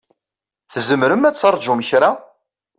Tzemrem ad terǧum kra?